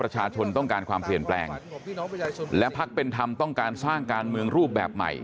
ประชาชนต้องการความเปลี่ยนแปลงและพักเป็นธรรมต้องการสร้างการเมืองรูปแบบใหม่